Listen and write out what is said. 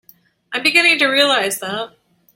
I'm beginning to realize that.